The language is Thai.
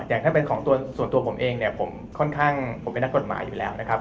อย่างถ้าเป็นของส่วนตัวผมเองเนี่ยผมค่อนข้างผมเป็นนักกฎหมายอยู่แล้วนะครับ